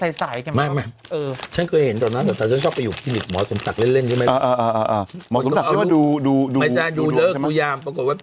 เป็นอย่างงี้จริงจริงเถอะเพราะว่า